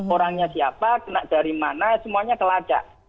orangnya siapa kena dari mana semuanya kelacak